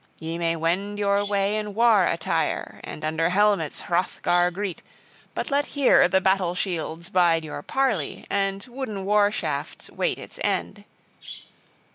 Ye may wend your way in war attire, and under helmets Hrothgar greet; but let here the battle shields bide your parley, and wooden war shafts wait its end."